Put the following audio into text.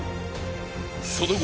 ［その後］